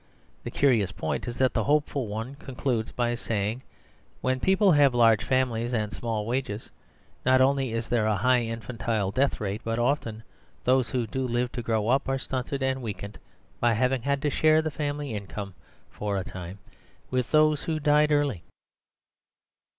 The curious point is that the hopeful one concludes by saying, "When people have large families and small wages, not only is there a high infantile death rate, but often those who do live to grow up are stunted and weakened by having had to share the family income for a time with those who died early.